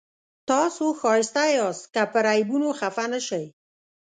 تاسو ښایسته یاست که پر عیبونو خفه نه شئ.